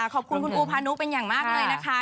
ขอบคุณคุณอูพานุเป็นอย่างมากเลยนะคะ